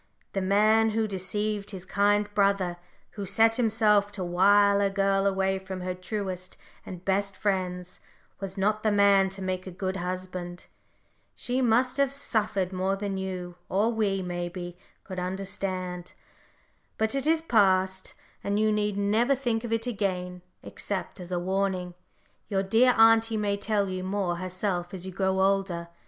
The man who deceived his kind brother, who set himself to wile a girl away from her truest and best friends, was not the man to make a good husband. She must have suffered more than you or we, maybe could understand. But it is past, and you need never think of it again, except as a warning. Your dear auntie may tell you more herself as you grow older.